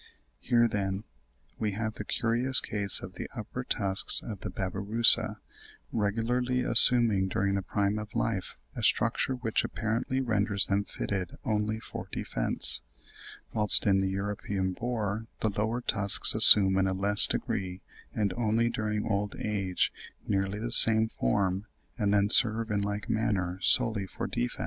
Here, then, we have the curious case of the upper tusks of the Babirusa regularly assuming during the prime of life a structure which apparently renders them fitted only for defence; whilst in the European boar the lower tusks assume in a less degree and only during old age nearly the same form, and then serve in like manner solely for defence.